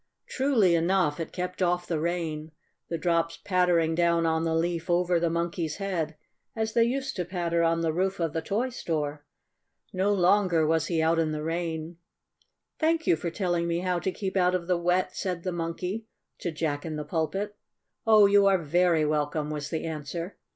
Truly enough it kept off the rain, the drops pattering down on the leaf over the Monkey's head as they used to patter on the roof of the toy store. No longer was he out in the rain. "Thank you for telling me how to keep out of the wet," said the Monkey to Jack in the Pulpit. "Oh, you are very welcome," was the answer.